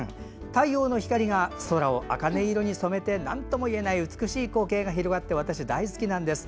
太陽の光が空をあかね色に染めてなんとも言えない美しい光景が広がって私、大好きなんです。